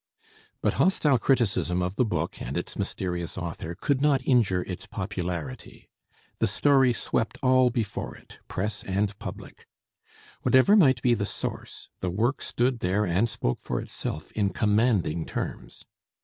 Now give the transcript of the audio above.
But hostile criticism of the book and its mysterious author could not injure its popularity. The story swept all before it press and public. Whatever might be the source, the work stood there and spoke for itself in commanding terms.